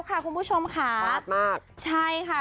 รอดแล้วคุณผู้ชมค่ะ